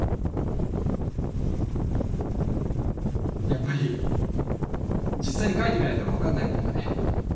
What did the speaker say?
やっぱり実際に書いてみないと分かんないもんだね。